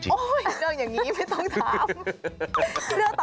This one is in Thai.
เรื่องอย่างนี้ไม่ต้องถาม